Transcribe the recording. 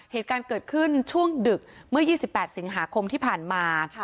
เหตุการณ์เกิดขึ้นช่วงดึกเมื่อ๒๘สิงหาคมที่ผ่านมา